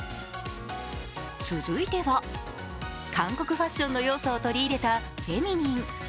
続いては、韓国ファッションの要素を取り入れたフェミニン。